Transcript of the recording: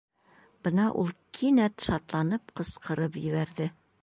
Бына ул кинәт шатланып ҡысҡырып ебәрҙе: